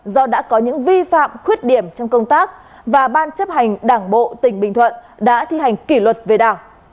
do đã có những vi phạm khuyết điểm trong công tác và ban chấp hành đảng bộ tỉnh bình thuận đã thi hành kỷ luật về đảng